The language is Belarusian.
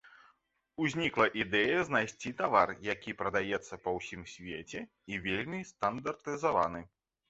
Узнікла ідэя знайсці тавар, які прадаецца па ўсім свеце, і вельмі стандартызаваны.